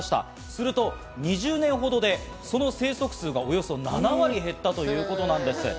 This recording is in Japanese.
すると２０年ほどでその生息数がおよそ７割減ったということです。